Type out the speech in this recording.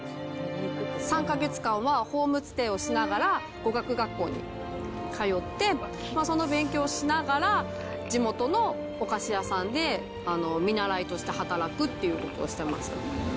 ３か月間はホームステイをしながら語学学校に通って、その勉強をしながら、地元のお菓子屋さんで見習いとして働くっていうことをしてました。